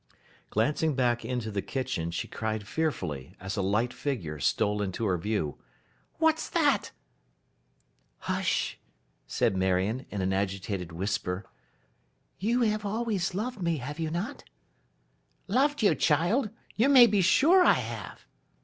Glancing back into the kitchen, she cried fearfully, as a light figure stole into her view, 'What's that!' 'Hush!' said Marion in an agitated whisper. 'You have always loved me, have you not!' 'Loved you, child! You may be sure I have.